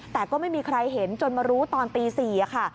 แต่ก็ไม่มีใครเห็นจนมารู้ตอนตี๔ค่ะ